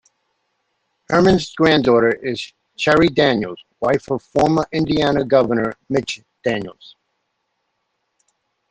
Herman's granddaughter is Cheri Daniels, wife of former Indiana Governor Mitch Daniels.